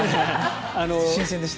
新鮮でした。